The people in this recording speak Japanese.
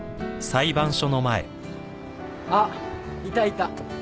・あっいたいた。